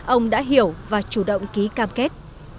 ông đã hiểu và chủ động ký cam kết